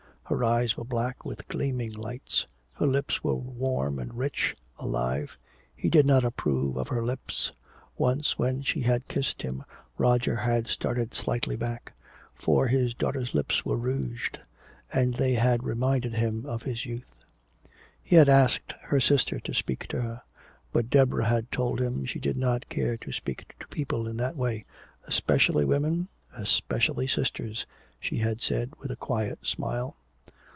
Her eyes were black, with gleaming lights; her lips were warm and rich, alive. He did not approve of her lips. Once when she had kissed him Roger had started slightly back. For his daughter's lips were rouged, and they had reminded him of his youth. He had asked her sister to speak to her. But Deborah had told him she did not care to speak to people in that way "especially women especially sisters," she had said, with a quiet smile.